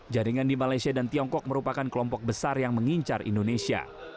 jaringan di malaysia dan tiongkok merupakan kelompok besar yang mengincar indonesia